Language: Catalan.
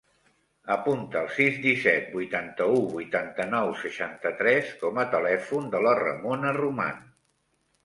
Apunta el sis, disset, vuitanta-u, vuitanta-nou, seixanta-tres com a telèfon de la Ramona Roman.